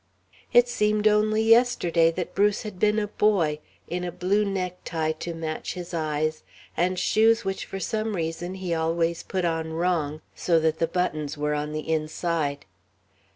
_ It seemed only yesterday that Bruce had been a boy, in a blue necktie to match his eyes, and shoes which for some reason he always put on wrong, so that the buttons were on the inside.